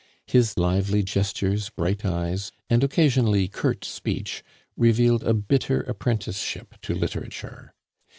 His lively gestures, bright eyes, and occasionally curt speech revealed a bitter apprenticeship to literature.